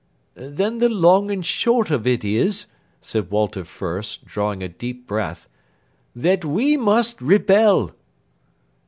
"Then the long and short of it is," said Walter Fürst, drawing a deep breath, "that we must rebel!"